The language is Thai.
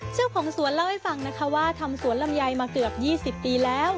เจ้าของสวนเล่าให้ฟังนะคะว่าทำสวนลำไยมาเกือบ๒๐ปีแล้ว